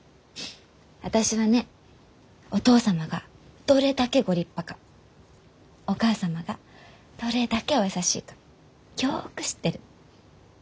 私はねお父様がどれだけご立派かお母様がどれだけお優しいかよく知ってる。